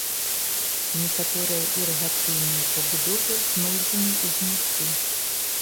Некаторыя ірыгацыйныя пабудовы знойдзены і знутры.